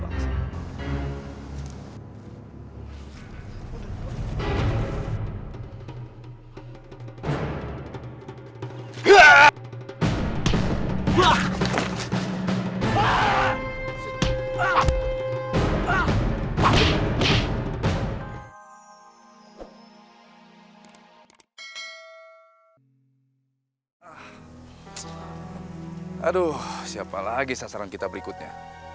aduh siapa lagi sasaran kita berikutnya